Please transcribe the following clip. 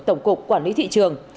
tổng cục quản lý thị trường